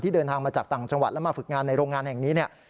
เดินทางมาจากต่างจังหวัดแล้วมาฝึกงานในโรงงานแห่งนี้เนี่ย